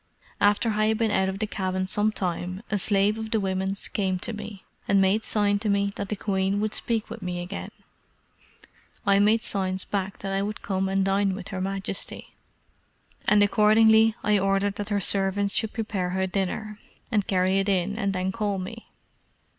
After I had been out of the cabin some time, a slave of the women's came to me, and made sign to me that the queen would speak with me again. I made signs back that I would come and dine with her majesty; and accordingly I ordered that her servants should prepare her dinner, and carry it in, and then call me.